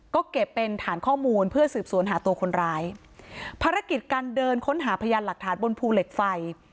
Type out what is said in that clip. ก็เก็บเป็นฐานข้อมูลเพื่อสืบสวนหาตัวคนร้ายภารกิจการเดินค้นหาพยานหลักฐานบนภูเหล็กไฟ